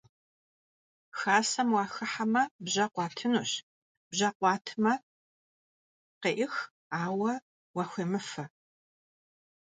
Xasem vuaxıheme, bje khuatınuş; bje khuatme, khê'ıx, aue vuaxuêmıfe.